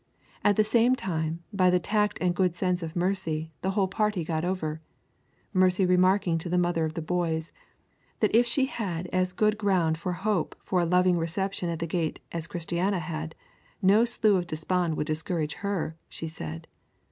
At the same time, by the tact and good sense of Mercy, the whole party got over, Mercy remarking to the mother of the boys, that if she had as good ground to hope for a loving reception at the gate as Christiana had, no slough of despond would discourage her, she said.